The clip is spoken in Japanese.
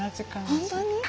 本当に？